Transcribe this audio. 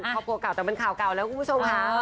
เก่าแต่มันข่าวเก่าแล้วคุณผู้ชมค่ะ